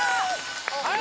はい